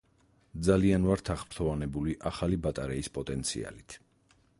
ძალიან ვართ აღფრთოვანებული ახალი ბატარეის პოტენციალით.